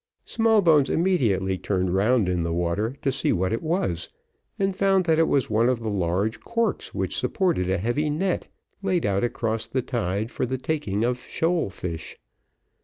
Smallbones immediately turned round in the water to see what it was, and found that it was one of the large corks which supported a heavy net laid out across the tide for the taking of shoal fish.